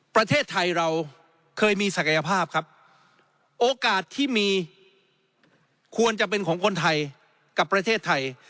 ประเทศไทยเราเคยมีศักยภาพครับโอกาสที่มีควรจะเป็นของคนไทยกับประเทศไทย